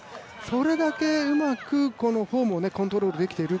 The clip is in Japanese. それだけうまくフォームをコントロールできている。